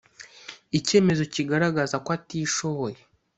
icyemezo kigaragaza ko atishoboye